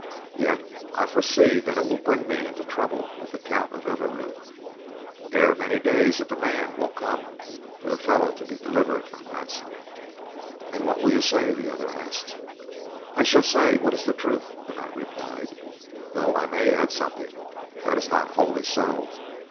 Yet I foresee that it will bring me into trouble with the Count of Evreux. Ere many days a demand will come for the fellow to be delivered on ransom." "And what will you say?" the other asked. "I shall say what is the truth," the knight replied, "though I may add something that is not wholly so.